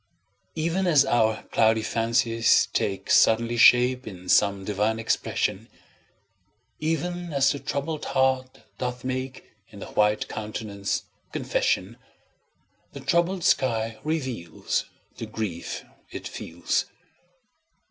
Even as our cloudy fancies take Suddenly shape in some divine expression, Even as the troubled heart doth make In the white countenance confession, The troubled sky reveals The grief it feels.